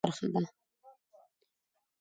واوره د افغانستان د ژمنۍ طبیعت ښکلې برخه ده.